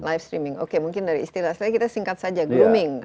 live streaming oke mungkin dari istilah saya kita singkat saja grooming